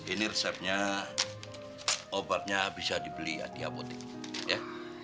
ini resepnya obatnya bisa dibeli di apotik ya